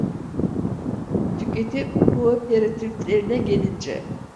Tüketim kooperatiflerine gelince…